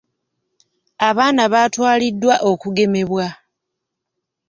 Abaana baatwaliddwa okugemebwa.